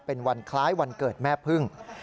เป็นวันคล้ายวันเกิดแม่พึ่ง